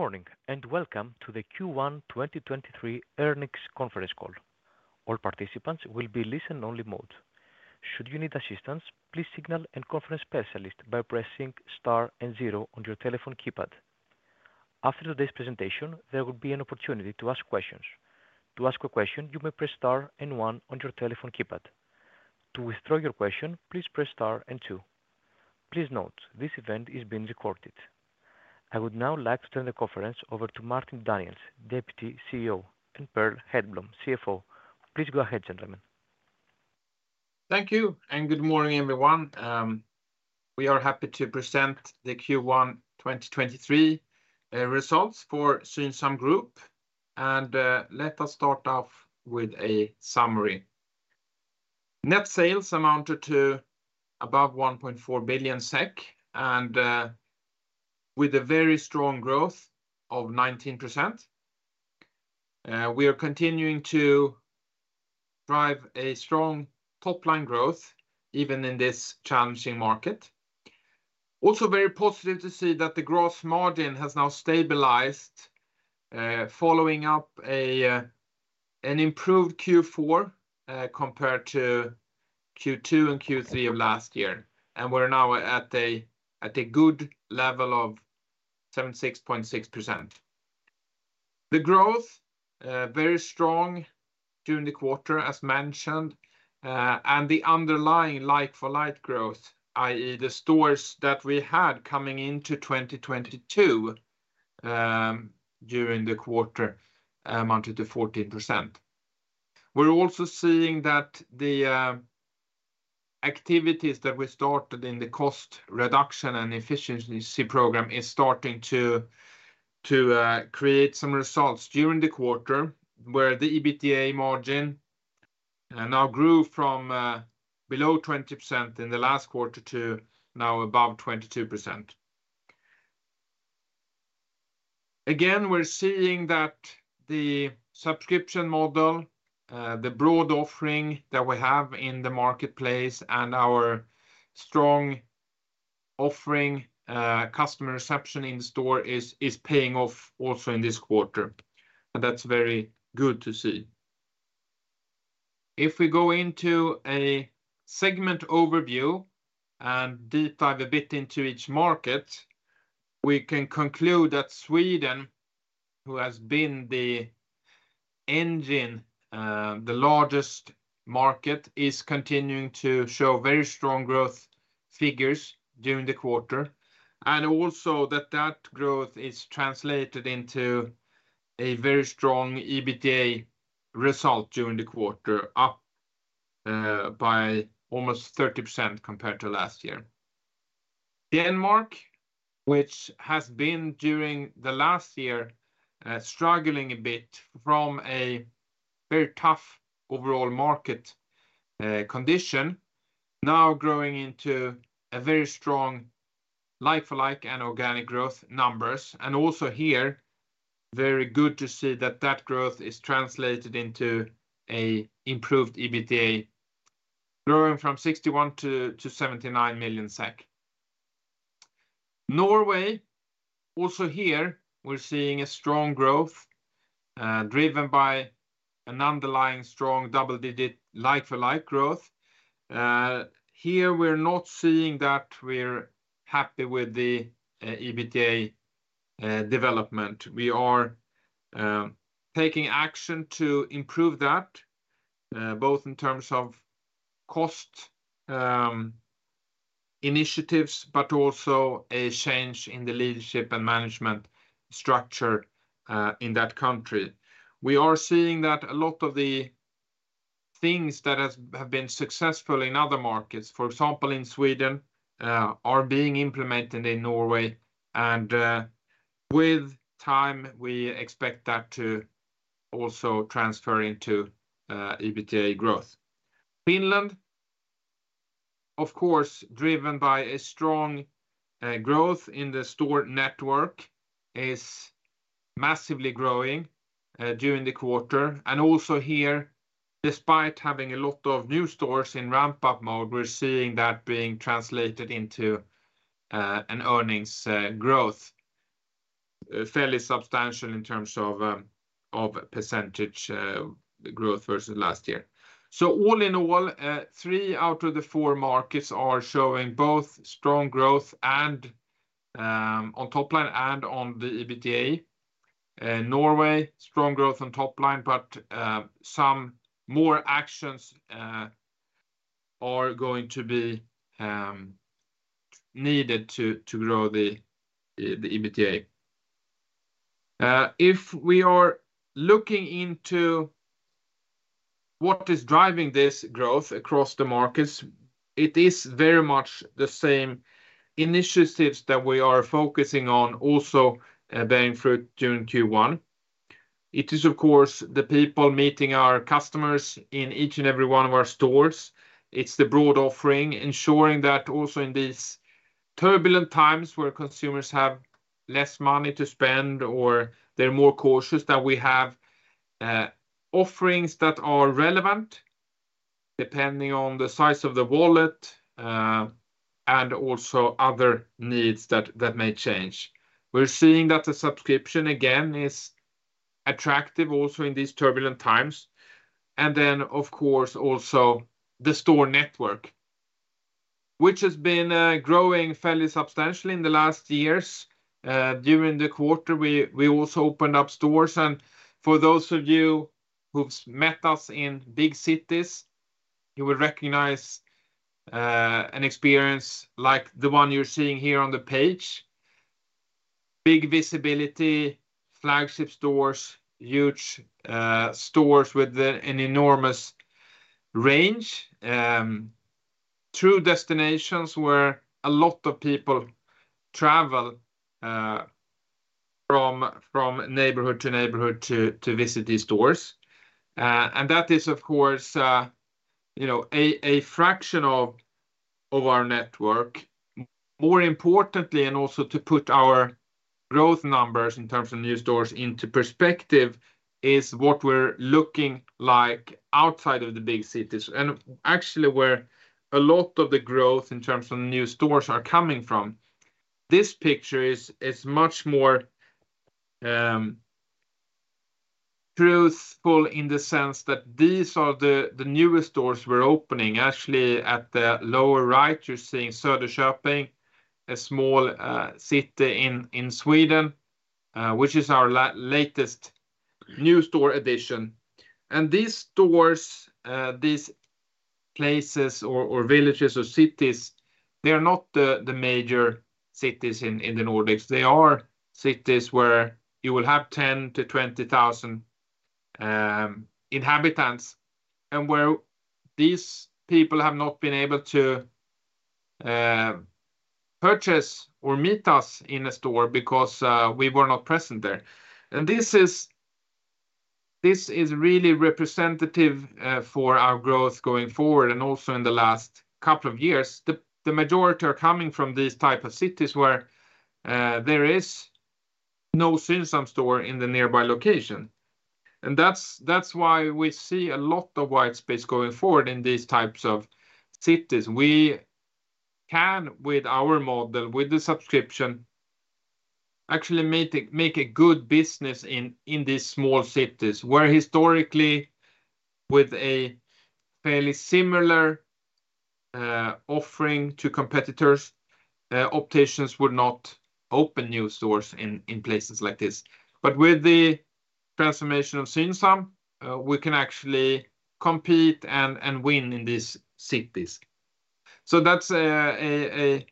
Good morning and welcome to the Q1 2023 earnings conference call. All participants will be listen only mode. Should you need assistance, please signal an conference specialist by pressing Star and zero on your telephone keypad. After today's presentation, there will be an opportunity to ask questions. To ask a question, you may press Star and one on your telephone keypad. To withdraw your question, please press Star and two. Please note this event is being recorded. I would now like to turn the conference over to Håkan Lundstedt, Deputy CEO, and Per Hedblom, CFO. Please go ahead, gentlemen. Thank you and good morning, everyone. We are happy to present the Q1 2023 results for Synsam Group. Let us start off with a summary. Net sales amounted to above 1.4 billion SEK with a very strong growth of 19%. We are continuing to drive a strong top line growth even in this challenging market. Also very positive to see that the growth margin has now stabilized, following up an improved Q4 compared to Q2 and Q3 of last year. We're now at a good level of 76.6%. The growth, very strong during the quarter as mentioned, and the underlying like-for-like growth, i.e. the stores that we had coming into 2022, during the quarter amounted to 14%. We're also seeing that the activities that we started in the cost reduction and efficiency program is starting to create some results during the quarter, where the EBITDA margin now grew from below 20% in the last quarter to now above 22%. We're seeing that the subscription model, the broad offering that we have in the marketplace and our strong offering, customer reception in store is paying off also in this quarter. That's very good to see. If we go into a segment overview and deep dive a bit into each market, we can conclude that Sweden, who has been the engine, the largest market, is continuing to show very strong growth figures during the quarter. Also that that growth is translated into a very strong EBITDA result during the quarter, up by almost 30% compared to last year. Denmark, which has been during the last year, struggling a bit from a very tough overall market condition, now growing into a very strong like-for-like and organic growth numbers. Also here, very good to see that that growth is translated into a improved EBITDA growing from 61 to 79 million SEK. Norway, also here we're seeing a strong growth, driven by an underlying strong double-digit like-for-like growth. Here we're not seeing that we're happy with the EBITDA development. We are taking action to improve that, both in terms of cost initiatives, but also a change in the leadership and management structure in that country. We are seeing that a lot of the things that have been successful in other markets, for example, in Sweden, are being implemented in Norway, and with time, we expect that to also transfer into EBITDA growth. Finland, of course, driven by a strong growth in the store network, is massively growing during the quarter. Also here, despite having a lot of new stores in ramp-up mode, we're seeing that being translated into an earnings growth, fairly substantial in terms of percentage growth versus last year. All in all, three out of the four markets are showing both strong growth on top line and on the EBITDA. Norway, strong growth on top line, but some more actions are going to be needed to grow the EBITDA. If we are looking into what is driving this growth across the markets, it is very much the same initiatives that we are focusing on also bearing fruit during Q1. It is, of course, the people meeting our customers in each and every one of our stores. It's the broad offering, ensuring that also in these turbulent times where consumers have less money to spend or they're more cautious, that we have offerings that are relevant. Depending on the size of the wallet, and also other needs that may change. We're seeing that the subscription again is attractive also in these turbulent times. Of course, also the store network which has been growing fairly substantially in the last years. During the quarter, we also opened up stores. For those of you who've met us in big cities, you will recognize an experience like the one you're seeing here on the page. Big visibility, flagship stores, huge stores with an enormous range. True destinations where a lot of people travel from neighborhood to neighborhood to visit these stores. That is of course, you know, a fraction of our network. More importantly, also to put our growth numbers in terms of new stores into perspective is what we're looking like outside of the big cities and actually where a lot of the growth in terms of new stores are coming from. This picture is much more truthful in the sense that these are the newest stores we're opening. Actually at the lower right, you're seeing Söderköping, a small city in Sweden, which is our latest new store addition. These stores, these places or villages or cities, they're not the major cities in the Nordics. They are cities where you will have 10 to 20,000 inhabitants and where these people have not been able to purchase or meet us in a store because we were not present there. This is really representative for our growth going forward. Also in the last couple of years, the majority are coming from these type of cities where there is no Synsam store in the nearby location. That's why we see a lot of white space going forward in these types of cities. We can with our model, with the subscription, actually make a good business in these small cities where historically with a fairly similar offering to competitors, opticians would not open new stores in places like this. With the transformation of Synsam, we can actually compete and win in these cities. That's a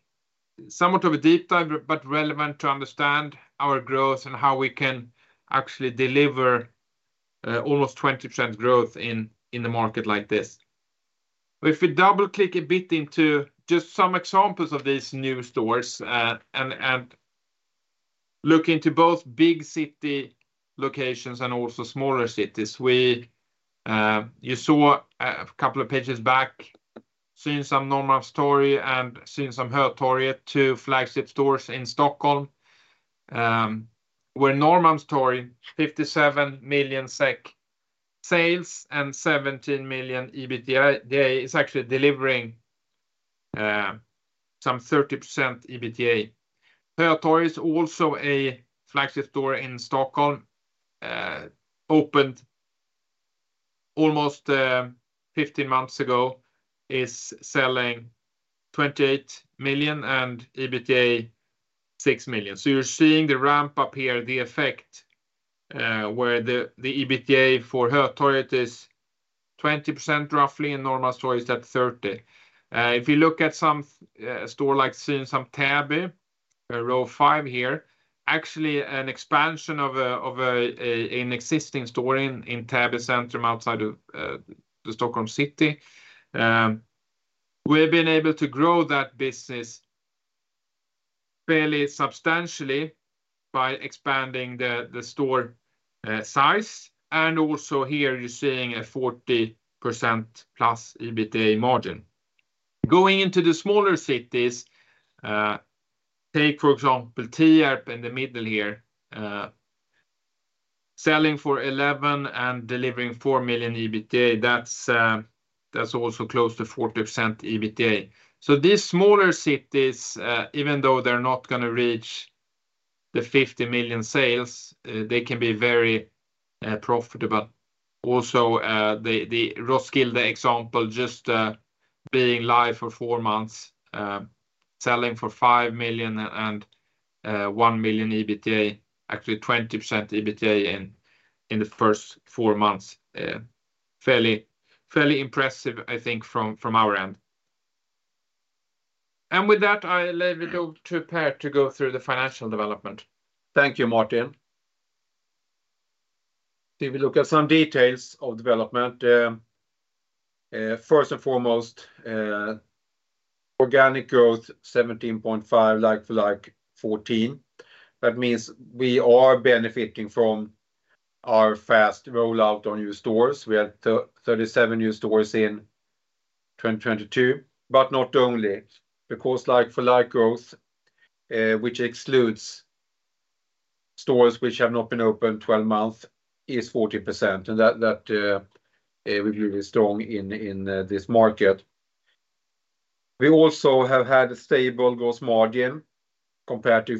somewhat of a deep dive, but relevant to understand our growth and how we can actually deliver almost 20% growth in a market like this. If we double click a bit into just some examples of these new stores, and look into both big city locations and also smaller cities. You saw a couple of pages back Synsam Norrmalmstorg and Synsam Hötorget, two flagship stores in Stockholm, where Norrmalmstorg, 57 million SEK sales and 17 million EBITDA is actually delivering 30% EBITDA. Hötorget is also a flagship store in Stockholm, opened almost 15 months ago, is selling 28 million and EBITDA 6 million. You're seeing the ramp up here, the effect, where the EBITDA for Hötorget is 20% roughly and Norrmalmstorg is at 30. If you look at some store like Synsam Täby, row five here, actually an expansion of an existing store in Täby centrum outside of the Stockholm city. We've been able to grow that business fairly substantially by expanding the store size and also here you're seeing a 40% plus EBITDA margin. Going into the smaller cities, take for example Tierp in the middle here, selling for 11 and delivering four million EBITDA, that's also close to 40% EBITDA. These smaller cities, even though they're not gonna reach 50 million sales, they can be very, profitable. Also, the Roskilde example just being live for four months, selling for five million and one million EBITDA, actually 20% EBITDA in the first 4 months. fairly impressive I think from our end. With that, I'll leave it over to Per to go through the financial development. Thank you, Håkan Lundstedt. We look at some details of development, first and foremost, organic growth 17.5%, like-for-like 14%. That means we are benefiting from our fast rollout on new stores. We had 37 new stores in 2022, not only because like-for-like growth, which excludes stores which have not been open 12 months, is 40%. That, we're really strong in this market. We also have had a stable gross margin compared to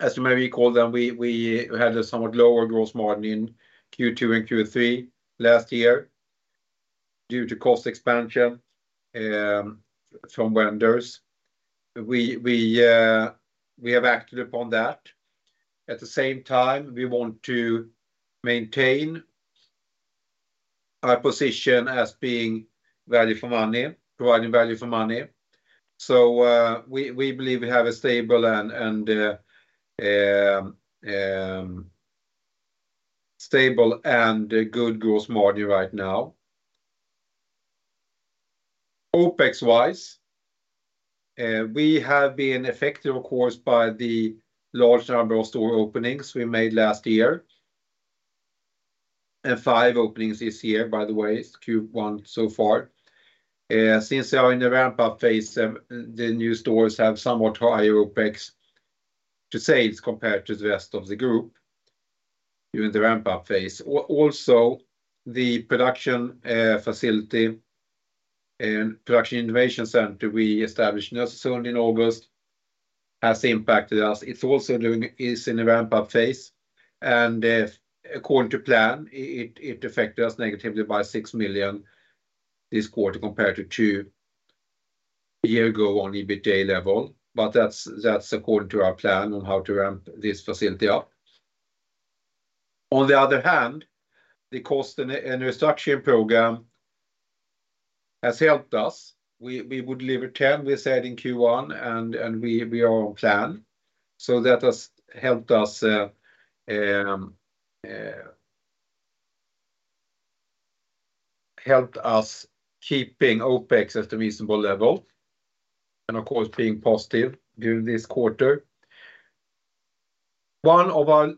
Q4. You may recall then, we had a somewhat lower gross margin in Q2 and Q3 last year due to cost expansion from vendors. We have acted upon that. The same time, we want to maintain our position as being value for money, providing value for money. We believe we have a stable and good gross margin right now. OPEX-wise, we have been affected of course by the large number of store openings we made last year. 5 openings this year, by the way, it's Q1 so far. Since they are in the ramp-up phase, the new stores have somewhat higher OPEX to sales compared to the rest of the group during the ramp-up phase. Also, the production facility and Production and Innovation Center we established not so soon in August has impacted us. It's also in the ramp-up phase. If according to plan, it affected us negatively by 6 million this quarter compared to 2 year ago on EBITDA level. That's according to our plan on how to ramp this facility up. On the other hand, the cost and restructuring program has helped us. We would deliver 10, we said in Q1, and we are on plan. That has helped us keeping OPEX at a reasonable level and of course being positive during this quarter. One of our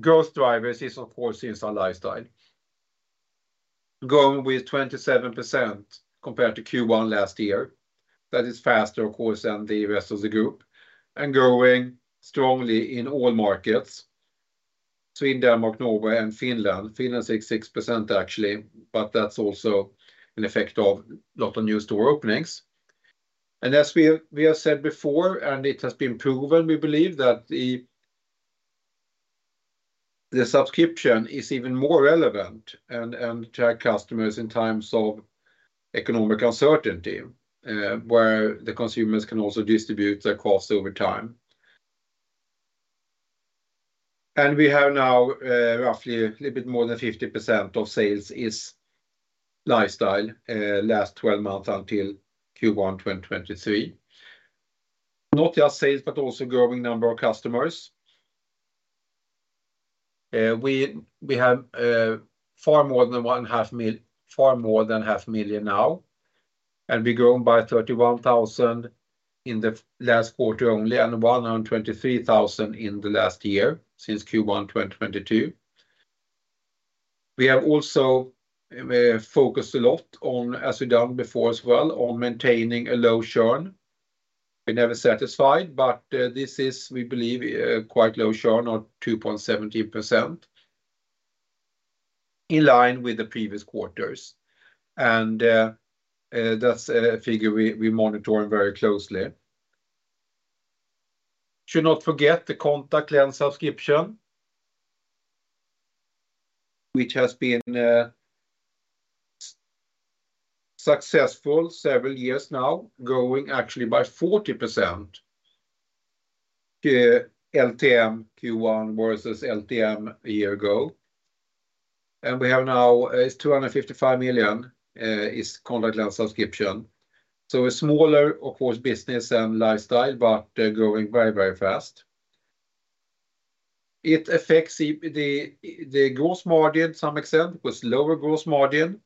growth drivers is of course Synsam Lifestyle. Growing with 27% compared to Q1 last year. That is faster of course than the rest of the group, and growing strongly in all markets. Sweden, Denmark, Norway and Finland. Finland 66% actually, but that's also an effect of lot of new store openings. As we have said before, and it has been proven, we believe that the subscription is even more relevant and to our customers in times of economic uncertainty, where the consumers can also distribute their cost over time. We have now, roughly a little bit more than 50% of sales is Lifestyle, last 12 months until Q1 2023. Not just sales, but also growing number of customers. We have far more than half million now, and we're grown by 31,000 in the last quarter only, and 123,000 in the last year since Q1 2022. We have also focused a lot on, as we've done before as well, on maintaining a low churn. We're never satisfied, this is we believe a quite low churn of 2.70%. In line with the previous quarters. That's a figure we monitor very closely. Should not forget the contact lens subscription, which has been successful several years now, growing actually by 40% the LTM Q1 versus LTM a year ago. We have now 255 million is contact lens subscription. A smaller, of course, business than Lifestyle, but growing very, very fast. It affects the gross margin to some extent with lower gross margin.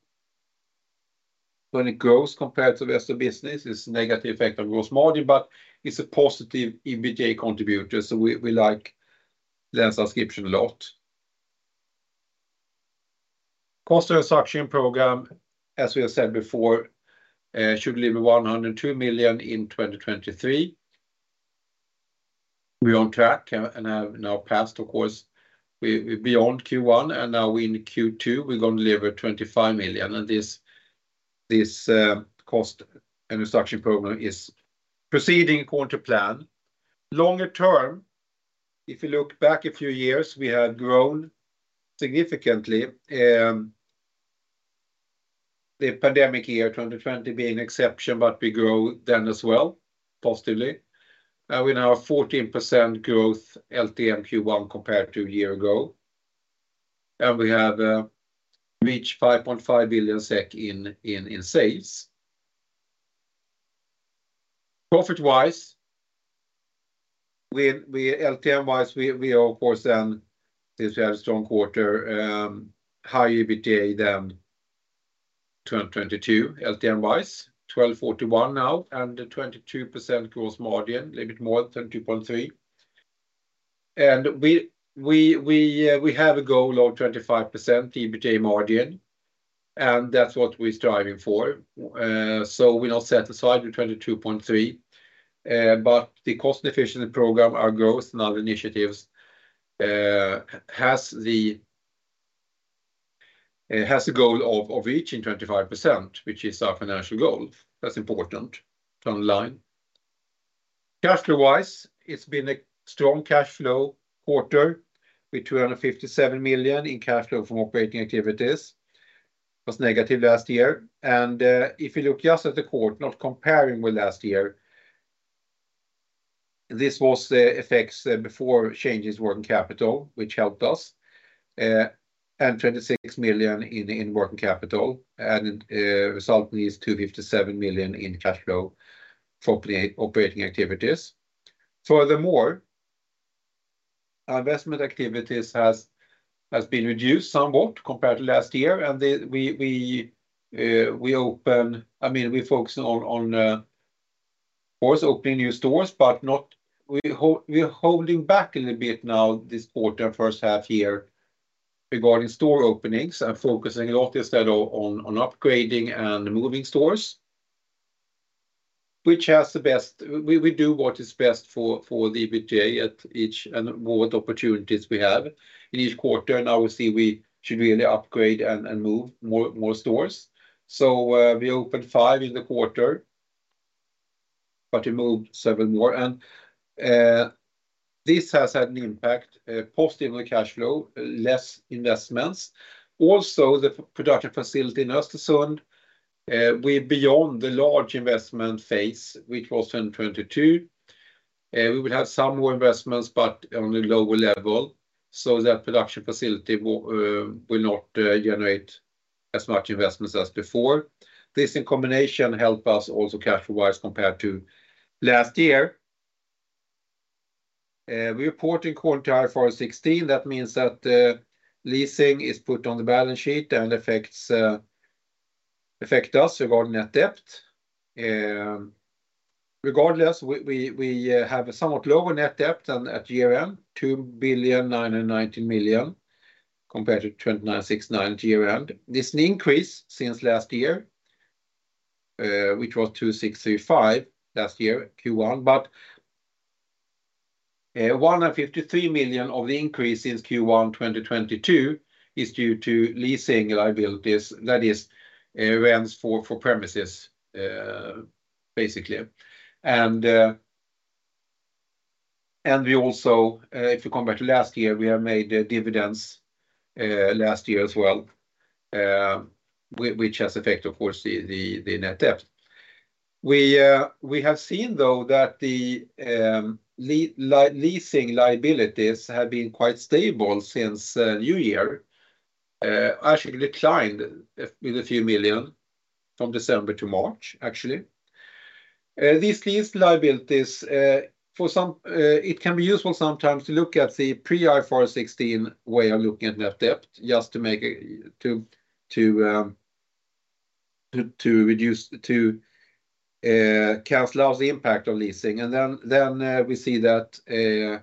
When it grows compared to the rest of business, it's negative effect on gross margin, but it's a positive EBITDA contributor, we like lens subscription a lot. Cost reduction program, as we have said before, should deliver 102 million in 2023. We're on track and have now passed, of course. We're beyond Q1. Now we're in Q2. We're gonna deliver 25 million. This cost and reduction program is proceeding according to plan. Longer term, if you look back a few years, we have grown significantly. The pandemic year, 2020, being exception, we grow then as well, positively. We now have 14% growth LTM Q1 compared to a year ago. We have reached 5.5 billion SEK in sales. Profit-wise, we LTM-wise, we are of course then, since we had a strong quarter, high EBITDA than 2022 LTM-wise. 12.41 now and a 22% gross margin, a little bit more, 20.3. We have a goal of 25% EBITDA margin, and that's what we're striving for. We now set aside the 22.3. The cost efficiency program, our growth and other initiatives, it has a goal of reaching 25%, which is our financial goal. That's important to underline. Cash flow-wise, it's been a strong cash flow quarter with 257 million in cash flow from operating activities. Was negative last year. If you look just at the quarter, not comparing with last year, this was the effects before changes working capital, which helped us, and 26 million in working capital and result in these 257 million in cash flow for operating activities. Furthermore, investment activities has been reduced somewhat compared to last year. We, I mean, we focus on course opening new stores. We're holding back a little bit now this quarter, H1 year regarding store openings and focusing a lot instead on upgrading and moving stores, which has the best. We do what is best for the EBITDA at each and what opportunities we have in each quarter. Now we see we should really upgrade and move more stores. We opened five in the quarter, but we moved seven more. This has had an impact positive on cash flow, less investments. Also, the production facility in Östersund, we're beyond the large investment phase, which was in 2022. We will have some more investments, but on a lower level, so that production facility will not generate as much investments as before. This, in combination, help us also cash flow-wise compared to last year. We report in quarter IFRS 16, that means that leasing is put on the balance sheet and affect us regarding net debt. Regardless, we have a somewhat lower net debt than at year-end, 2,919 million compared to 2,969 million at year-end. This an increase since last year, which was 2,635 million last year Q1. One hundred and fifty-three million of the increase since Q1 2022 is due to leasing liabilities, that is, rents for premises, basically. We also, if you compare to last year, we have made dividends last year as well, which has effect, of course, the net debt. We have seen, though, that the leasing liabilities have been quite stable since New Year, actually declined with a few million from December to March, actually. These lease liabilities, for some... It can be useful sometimes to look at the pre-IFRS 16 way of looking at net debt, just to reduce, cancel out the impact of leasing. We see that,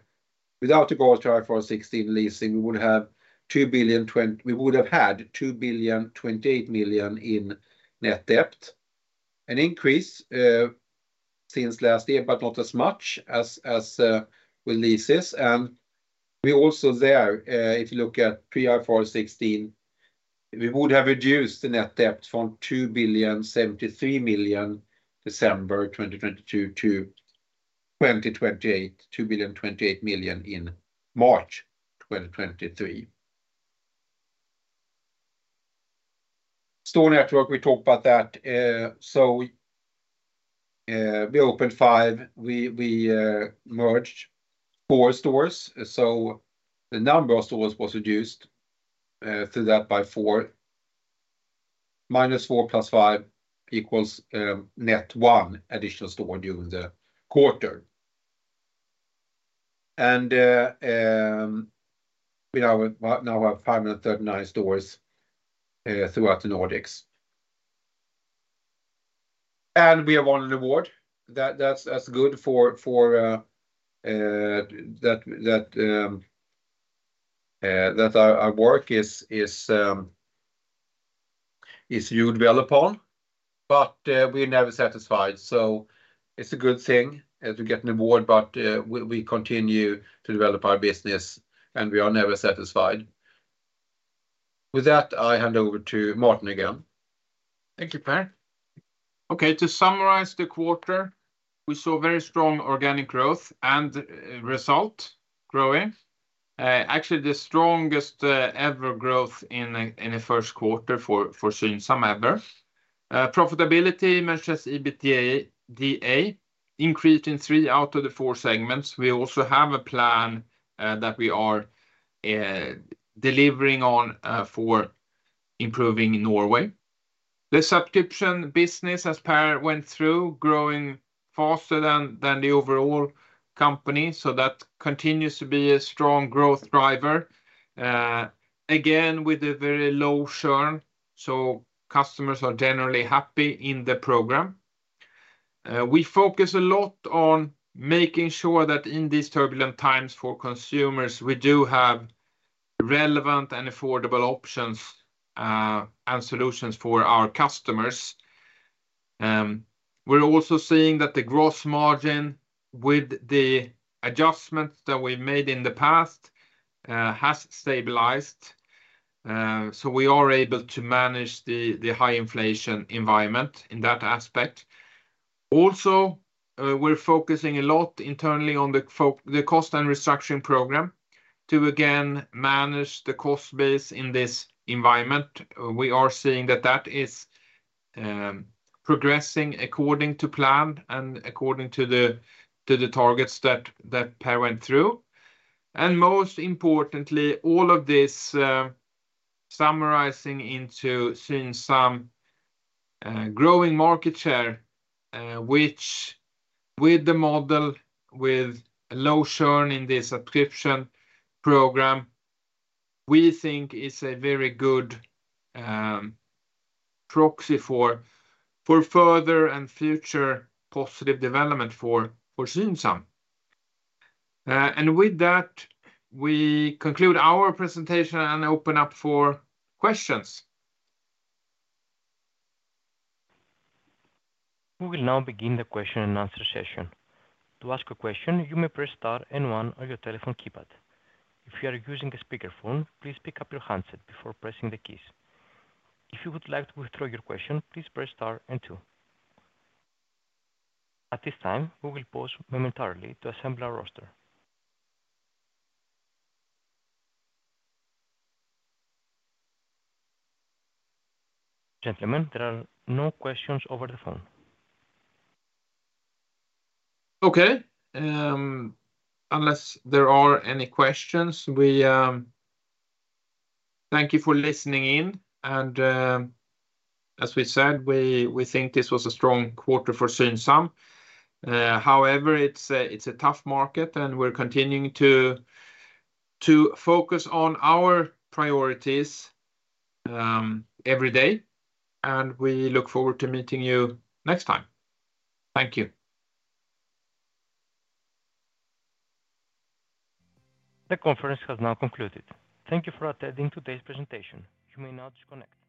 without regard to IFRS 16 leasing, we would have had 2,028 million in net debt. An increase since last year, but not as much as with leases. We also there, if you look at pre-IFRS 16, we would have reduced the net debt from 2.073 billion December 2022 to 2.028 billion in March 2023. Store network, we talked about that. So we opened five. We merged four stores, so the number of stores was reduced through that by four. Minus four plus five equals net one additional store during the quarter. We now have 539 stores throughout the Nordics. We have won an award. That's good for that our work is viewed well upon. We're never satisfied, so it's a good thing to get an award, but we continue to develop our business, and we are never satisfied. With that, I hand over to Håkan again. Thank you, Per. Okay, to summarize the quarter, we saw very strong organic growth and result growing. Actually the strongest ever growth in a Q1 for Synsam ever. Profitability measures EBITDA increased in three out of the four segments. We also have a plan that we are delivering on for improving Norway. The subscription business, as Per went through, growing faster than the overall company, so that continues to be a strong growth driver. Again, with a very low churn, so customers are generally happy in the program. We focus a lot on making sure that in these turbulent times for consumers, we do have relevant and affordable options and solutions for our customers. We're also seeing that the gross margin with the adjustments that we made in the past has stabilized. We are able to manage the high inflation environment in that aspect. Also, we're focusing a lot internally on the cost and restructuring program to again manage the cost base in this environment. We are seeing that that is progressing according to plan and according to the targets that Per went through. Most importantly, all of this summarizing into seeing some growing market share, which with the model with low churn in the subscription program, we think is a very good proxy for further and future positive development for Synsam. With that, we conclude our presentation and open up for questions. We will now begin the question and answer session. To ask a question, you may press star and one on your telephone keypad. If you are using a speaker phone, please pick up your handset before pressing the keys. If you would like to withdraw your question, please press star and two. At this time, we will pause momentarily to assemble our roster. Gentlemen, there are no questions over the phone. Okay. Unless there are any questions, Thank you for listening in. As we said, we think this was a strong quarter for Synsam. However, it's a tough market, and we're continuing to focus on our priorities every day. We look forward to meeting you next time. Thank you. The conference has now concluded. Thank you for attending today's presentation. You may now disconnect.